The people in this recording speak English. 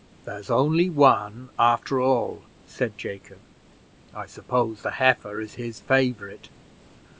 "There's only one, after all," said Jacob; "I suppose the heifer is his favorite.